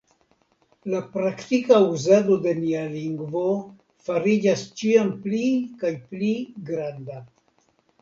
La praktika uzado de nia lingvo fariĝas ĉiam pli kaj pli granda.